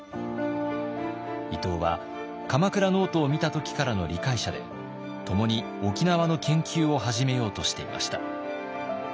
伊東は鎌倉ノートを見た時からの理解者で共に沖縄の研究を始めようとしていました。